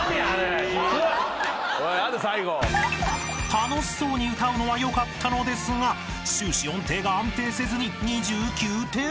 ［楽しそうに歌うのはよかったのですが終始音程が安定せずに２９点］